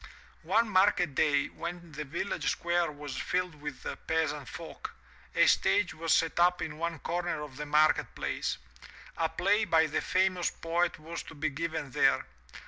One market day, when the village square was filled with peasant folk, a stage was set up in one comer of the market place. A play by the famous poet was to be given there.